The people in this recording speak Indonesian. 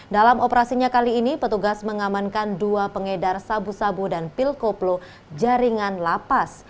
dalam operasinya kali ini petugas mengamankan dua pengedar sabu sabu dan pil koplo jaringan lapas